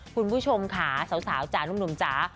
คุณผู้ชมค่ะสาวจ๋านุ่มจ๋า